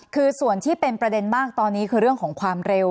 คือส่วนที่เป็นประเด็นมากตอนนี้คือเรื่องของความเร็ว